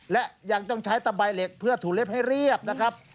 และยังต้องใช้ตะใบเหล็กเพื่อถูเล็บให้เรียบนะครับ